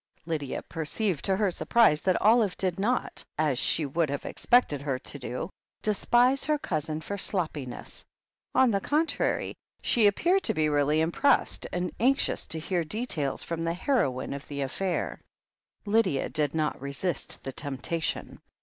Lydia perceived to her surprise that Olive did not, as she would have expected her to do, despise her cousin for "sloppiness." On the contrary, she ap peared to be really impressed, and anxious to hear details from the heroine of the affair. Lydia did not resist the temptation.